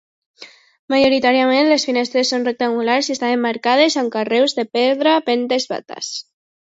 Majoritàriament les finestres són rectangulars i estan emmarcades amb carreus de pedra ben desbastats.